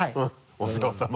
お世話さま。